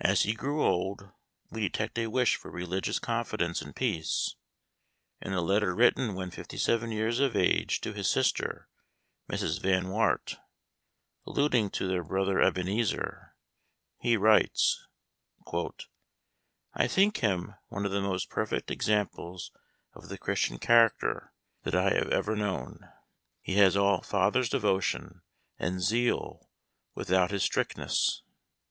As he grew old we detect a wish for religious confidence and peace. In a letter written when fifty seven years of age to his sister, Mrs. Van Wart, alluding to their brother Ebenezer, he writes :" I think him one of the most perfect examples of the Christian character that I have 298 Memoir of Washington Irving. ever known. He has all father's devotion and zeal, without his strictness.